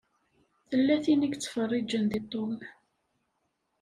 Tella tin i yettfeṛṛiǧen deg Tom.